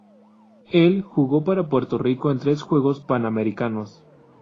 Él jugó para Puerto Rico en tres Juegos Panamericanos.